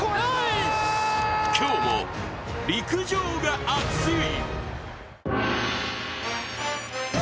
今日も陸上が熱い。